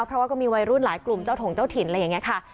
เพราะว่าก็มีวัยรุ่นหลายกลุ่มเจ้าถงเจ้าถิ่นอะไรอย่างนี้ค่ะ